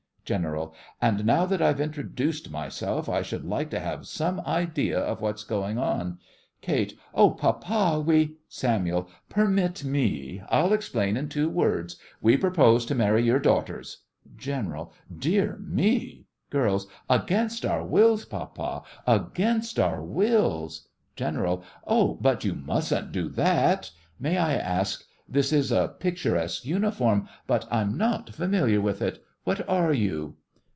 GENERAL: And now that I've introduced myself, I should like to have some idea of what's going on. KATE: Oh, Papa— we— SAMUEL: Permit me, I'll explain in two words: we propose to marry your daughters. GENERAL: Dear me! GIRLS: Against our wills, Papa—against our wills! GENERAL: Oh, but you mustn't do that! May I ask— this is a picturesque uniform, but I'm not familiar with it. What are you?